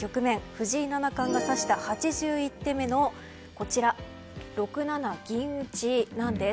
藤井七冠が指した８１手目の６七銀打なんです。